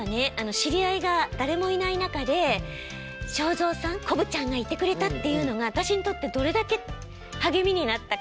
知り合いが誰もいない中で正蔵さんこぶちゃんがいてくれたっていうのが私にとってどれだけ励みになったか。